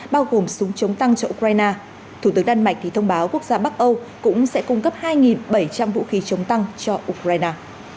bao gồm súng chống tăng cho ukraine thủ tướng đan mạch thông báo quốc gia bắc âu cũng sẽ cung cấp hai bảy trăm linh vũ khí chống tăng cho ukraine